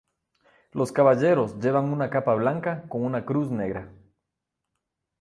Los caballeros llevan una capa blanca con una cruz negra.